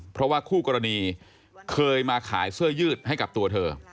เพราะว่าคู่กรณีเคยมาขายเสื้อยืดให้กับตัวเธอ